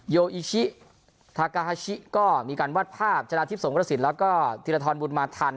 โยอิชิทากาฮาชิก็มีการวาดภาพชนะทิพย์สงกระสินแล้วก็ธีรทรบุญมาทัน